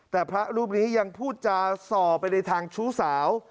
แต่พระรูปนี้ยังพูดจาส่อไปในทางชู้สาว